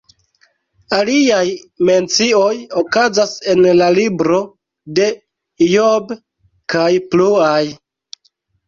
Aliaj mencioj okazas en la libro de Ijob kaj pluaj.